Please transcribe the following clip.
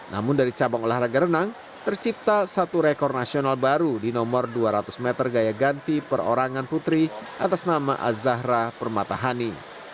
namun dari cabang olahraga renang tercipta satu rekor nasional baru di nomor dua ratus meter gaya ganti perorangan putri atas nama azahra permatahani